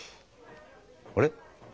あれ？